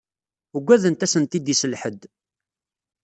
Ugadent ad sent-id-isel ḥedd.